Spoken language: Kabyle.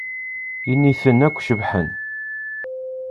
Initen akk cebḥen.